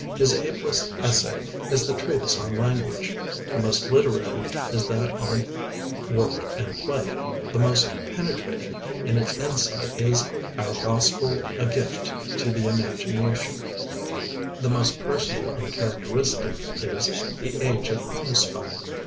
His ablest essay is the treatise on Language; the most literary is that on 'Work and Play'; the most penetrating in its insight is 'Our Gospel a Gift to the Imagination'; the most personal and characteristic is 'The Age of Homespun.'